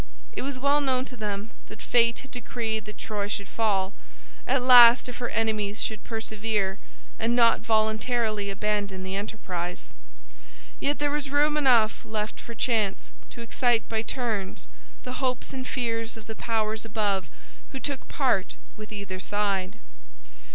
It was well known to them that fate had decreed that Troy should fall, at last, if her enemies should persevere and not voluntarily abandon the enterprise. Yet there was room enough left for chance to excite by turns the hopes and fears of the powers above who took part with either side.